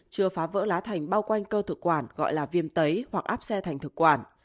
chưa phá vỡ lá thành bao quanh cơ thực quản gọi là viêm tấy hoặc áp xe thành thực quản